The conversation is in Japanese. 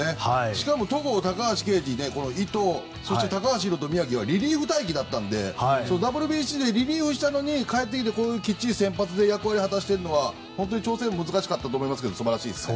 しかも戸郷、高橋奎二この伊藤そして高橋宏斗、宮城はリリーフ待機だったのでＷＢＣでリリーフしたのに帰ってきて、きちっと先発で役割を果たしてるのは調整が難しかったとは思いますが素晴らしいです。